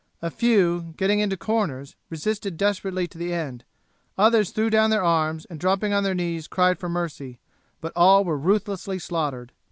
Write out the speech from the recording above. A few, getting into corners, resisted desperately to the end; others threw down their arms and dropping on their knees cried for mercy, but all were ruthlessly slaughtered.